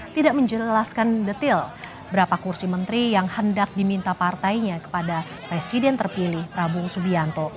tidak menjelaskan detil berapa kursi menteri yang hendak diminta partainya kepada presiden terpilih prabowo subianto